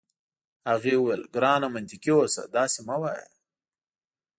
هغې وویل: ګرانه منطقي اوسه، داسي مه وایه.